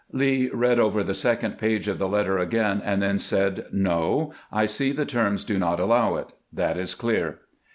Lee read over the second page of the letter again, and then said :" No, I see the terms do not allow it ; that is clear."